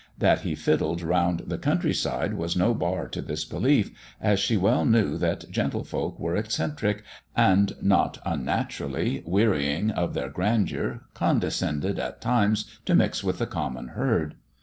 That he fiddled round the country side was no bar to this belief, as she well knew that gentle folk were eccentric, and, not unnaturally, wearying of their grandeur, condescended at times to mix with the common herd.